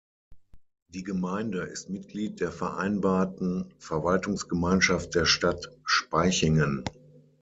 Die Gemeinde ist Mitglied der vereinbarten Verwaltungsgemeinschaft der Stadt Spaichingen.